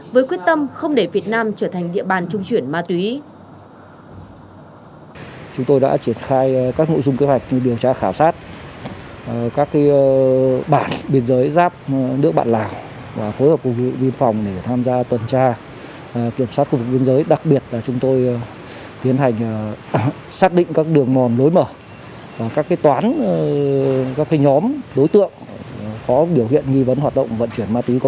với quyết tâm không để việt nam trở thành địa bàn trung chuyển ma túy